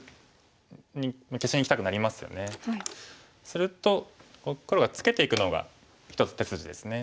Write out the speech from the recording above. すると黒がツケていくのが一つ手筋ですね。